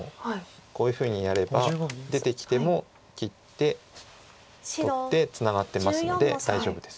こういうふうにやれば出てきても切って取ってツナがってますので大丈夫です。